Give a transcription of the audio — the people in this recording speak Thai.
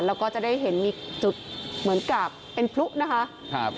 แล้วก็จะได้เห็นมีจุดเหมือนกับเป็นพลุนะคะ